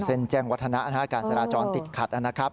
แจ้งวัฒนะการจราจรติดขัดนะครับ